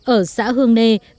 ở xã hương nê có sâu keo phá hoại